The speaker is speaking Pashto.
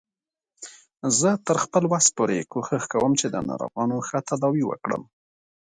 زه تر خپل وس پورې کوښښ کوم چې د ناروغانو ښه تداوی وکړم